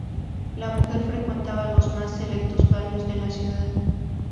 La mujer frecuentaba los más selectos barrios de la ciudad.